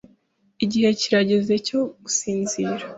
Igihe kirageze cyo gusinzira.